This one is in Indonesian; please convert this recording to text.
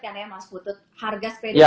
kan ya mas putut harga sepeda sekarang